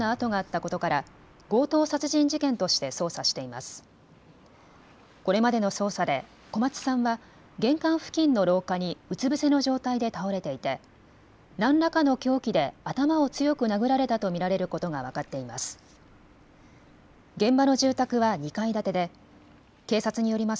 これまでの捜査で小松さんは玄関付近の廊下にうつ伏せの状態で倒れていて何らかの凶器で頭を強く殴られたと見られることが分かっています。